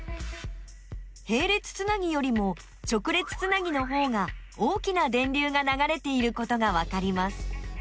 へい列つなぎよりも直列つなぎのほうが大きな電流がながれていることがわかります。